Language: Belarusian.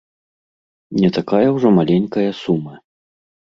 Не такая ўжо маленькая сума!